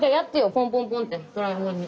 ポンポンポンってドラえもんに。